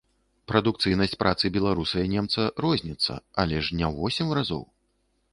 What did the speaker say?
Прадукцыйнасць працы беларуса і немца розніцца, але ж не ў восем разоў.